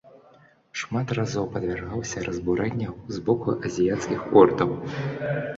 Шмат разоў падвяргаўся разбурэнняў з боку азіяцкіх ордаў.